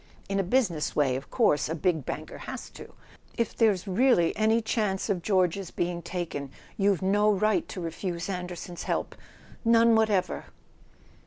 In a business way, of course, a big banker has to. If there's really any chance of George's being taken you've no right to refuse An¬ derson's help—none whatever!